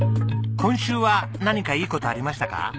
今週は何かいい事ありましたか？